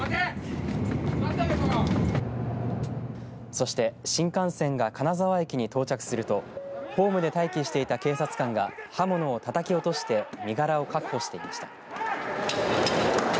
そして新幹線が金沢駅に到着するとホームで待機していた警察官が刃物をたたき落として身柄を確保していました。